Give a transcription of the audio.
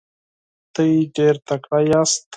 تاسو ډیر تکړه یاست.